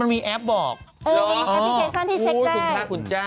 เออมีแอปพลิเคชันที่เช็คได้โอ้โฮคุณพระคุณเจ้า